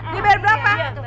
dia bayar berapa